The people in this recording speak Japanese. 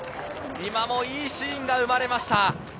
今もいいシーンが生まれました。